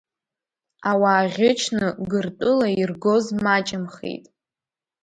Ауаа ӷьычны Гыртәыла иргоз маҷымхеит.